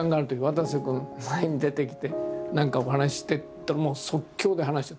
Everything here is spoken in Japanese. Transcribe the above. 「わたせ君前に出てきて何かお話しして」ってもう即興で話を作って。